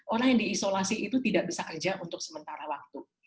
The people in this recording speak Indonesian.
orang yang diisolasi itu tidak bisa kerja untuk sementara waktu